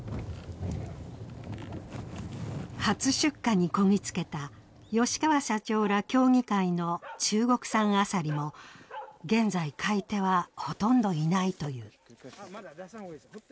初出荷にこぎ着けた吉川社長ら協議会の中国産アサリも現在、買い手はほとんどいないという。